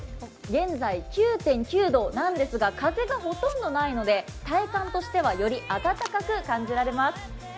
現在９．９度なんですが、風がほとんどないので、体感としてはより暖かく感じられます。